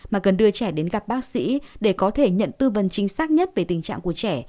mà cần đưa trẻ đến gặp bác sĩ để có thể nhận tư vấn chính xác nhất về tình trạng của trẻ